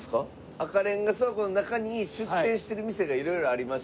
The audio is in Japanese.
赤レンガ倉庫の中に出店してる店が色々ありまして。